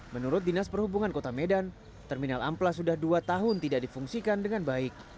menurut dinas perhubungan kota medan terminal amplas sudah dua tahun tidak difungsikan dengan baik